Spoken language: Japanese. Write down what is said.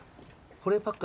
保冷パック。